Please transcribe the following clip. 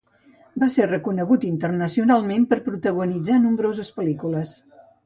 Va ser reconegut internacionalment, per protagonitzar nombroses pel·lícules.